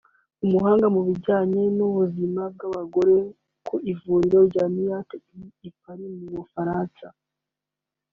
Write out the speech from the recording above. umuhanga mu bijyanye n’ubuzima bw’abagore ku Ivuriro rya Muette I Paris ho mu Bufaransa)